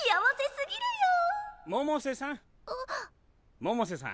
百瀬さん